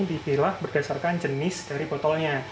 di pilah berdasarkan jenis dari botolnya